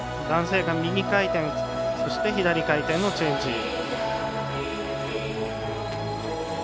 男性が右回転そして左回転のチェンジ。